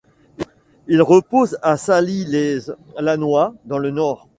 Il repose à Sailly-lez-Lannoy dans le Nord.